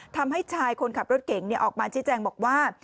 ทำให้ชายคนขับรถเก่งออกมาชี้แจงบอกว่า